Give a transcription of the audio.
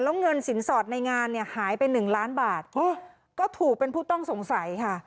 แล้วเงินสินสอดในงานเนี่ยหายไปหนึ่งล้านบาทก็ถูกเป็นผู้ต้องสงสัยค่ะ